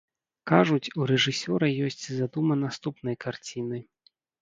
Кажуць, у рэжысёра ёсць задума наступнай карціны.